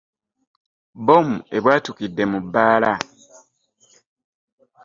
Bbomu ebwatukidde mu bbaala.